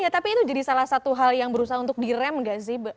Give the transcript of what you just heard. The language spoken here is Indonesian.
tapi itu jadi salah satu hal yang berusaha untuk direm gak sih